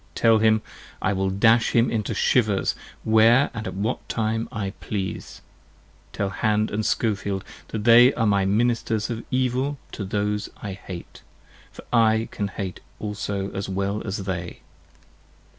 Tell him: I will dash him into shivers, where & at what time I please: tell Hand & Skofield they are my ministers of evil 63 To those I hate: for I can hate also as well as they!